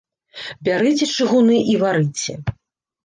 Бярыце чыгуны і варыце.